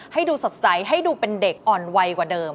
ให้ดูสดใสให้ดูเป็นเด็กอ่อนไวกว่าเดิม